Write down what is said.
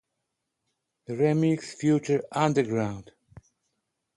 Jego frekwencja oraz jakość pracy stanowiła przykład dla nas wszystkich